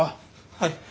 はい。